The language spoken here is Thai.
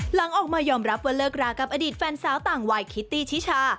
หลังออกมายอมรับว่าเลิกรากับอดีตแฟนสาวต่างวายคิตตี้ชิชา